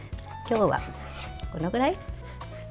今日はこのぐらい。